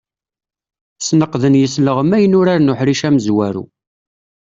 Sneqden yisleɣmayen urar n uḥric amezwaru.